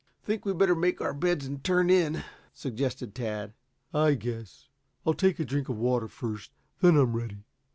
"Think we'd better make our beds and turn in?" suggested Tad. "I guess. I'll take a drink of water first; then I'm ready."